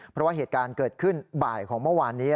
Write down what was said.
เพราะว่าเหตุการณ์เกิดขึ้นบ่ายของเมื่อวานนี้